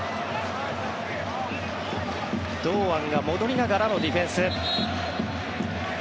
堂安が戻りながらのディフェンス。